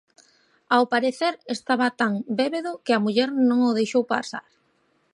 Ao parecer estaba tan bébedo que a muller non o deixou pasar.